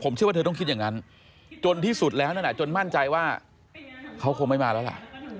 เชื่อว่าเธอต้องคิดอย่างนั้นจนที่สุดแล้วนั่นจนมั่นใจว่าเขาคงไม่มาแล้วล่ะ